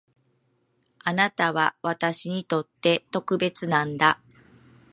あなたは私にとって特別なんだ